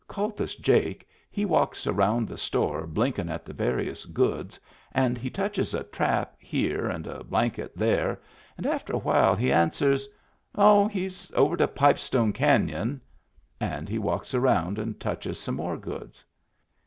Kultus Jake he walks around the store blinkin' at the various goods, and he touches a trap here and a blanket there and after a while he answers :—" Oh, he*s over to Pipestone Canon." And he walks around and touches some more goods.